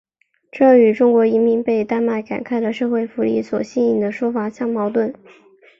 这与中国移民被丹麦慷慨的社会福利所吸引的说法相矛盾。